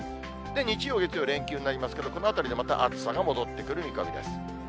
日曜、月曜、連休になりますけれども、このあたりで暑さ、また戻ってくる見込みです。